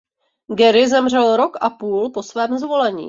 Gerry zemřel rok a půl po svém zvolení.